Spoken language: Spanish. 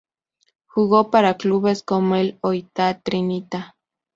Jugó para clubes como el Oita Trinita.